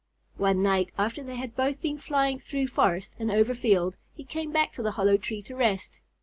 One night, after they had both been flying through forest and over field, he came back to the hollow tree to rest.